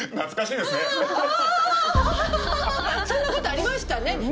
そんなことありましたね